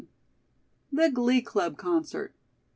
THE GLEE CLUB CONCERT.